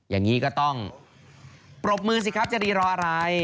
อย่างนี้ก็ต้องปรบมือสิครับจะรีรออะไร